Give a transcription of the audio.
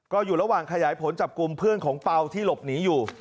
ก็อยู่ระหว่างขยายผลจับกลุ่มเพื่อนของเปล่าที่หลบหนีอยู่